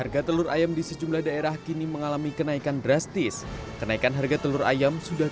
kalau yang kecil begitu rp lima puluh